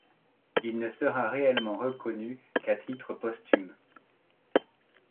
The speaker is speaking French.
Il ne sera réellement reconnu qu'à titre posthume.